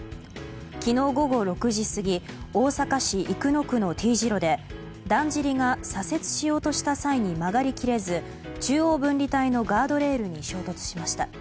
昨日午後６時過ぎ大阪市生野区のＴ字路でだんじりが左折しようとした際に曲がり切れず中央分離帯のガードレールに衝突しました。